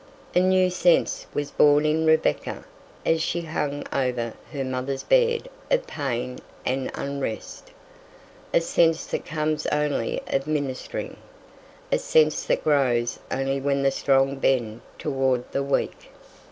A new sense was born in Rebecca as she hung over her mother's bed of pain and unrest, a sense that comes only of ministering, a sense that grows only when the strong bend toward the weak.